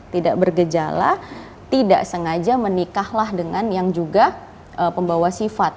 tidak bergejala tidak sengaja menikahlah dengan yang juga pembawa sifat